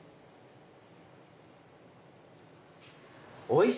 おいしい！